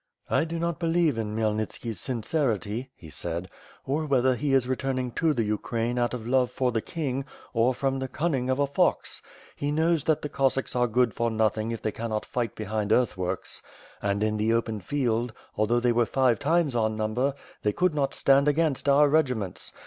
"I do not believe in Khmyelnitski's sincerity/' he said, "or whether he is returning to the Ukraine out of love for the king, or from the cunning of a fox. He knows that the Cos sacks are good for nothing if they cannot fight behind earth works. And in the open field, although they were five times our number, they could not stand against our regiments.